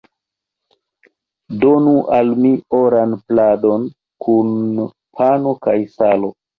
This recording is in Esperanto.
Donu al mi oran pladon kun pano kaj salo!